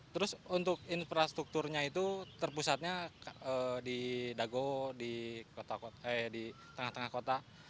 terus untuk infrastrukturnya itu terpusatnya di dago di tengah tengah kota